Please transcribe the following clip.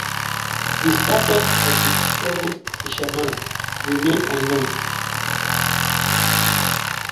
The status of the seventh fisherman remained unknown.